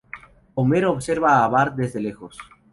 Homero observa a Bart desde lejos.